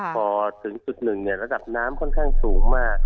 พอถึงจุดหนึ่งระดับน้ำค่อนข้างสูงมาก